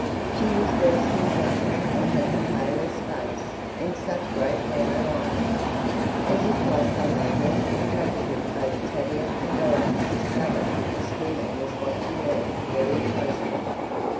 She was dressed in black, and had the palest face, and such great hollow eyes. As if by some magnetic attraction both Tavia and Dorothy discovered that this woman was watching them very closely.